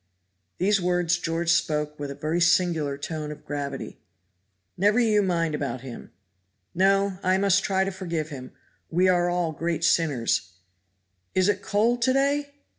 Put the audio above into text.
These words George spoke with a very singular tone of gravity. "Never you mind you about him." "No! I must try to forgive him; we are all great sinners; is it cold to day?"